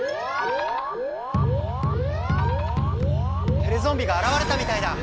テレゾンビがあらわれたみたいだ！